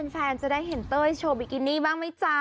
แฟนจะได้เห็นเต้ยโชบิกินี่บ้างไหมจ๊ะ